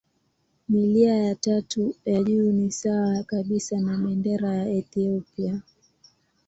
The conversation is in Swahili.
Milia ya tatu ya juu ni sawa kabisa na bendera ya Ethiopia.